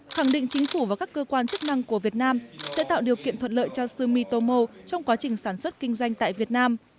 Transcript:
khẳng định chính phủ và các cơ quan chức năng của việt nam sẽ tạo điều kiện thuận lợi cho sumitomo trong quá trình sản xuất kinh doanh tại việt nam